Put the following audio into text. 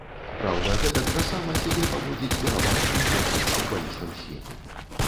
Праўда, гэтак жа сама сябе паводзіць пераважная большасць футбалістаў свету.